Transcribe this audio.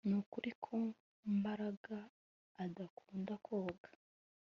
Nukuri ko Mbaraga adakunda koga